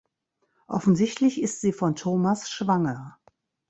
Offensichtlich ist sie von Thomas schwanger.